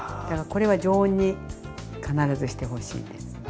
だからこれは常温に必ずしてほしいんです。